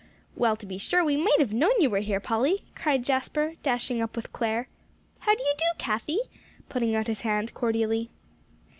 "Well, to be sure; we might have known you were here, Polly," cried Jasper, dashing up with Clare. "How do you do, Cathie?" putting out his hand cordially.